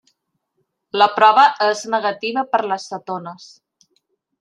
La prova es negativa per les cetones.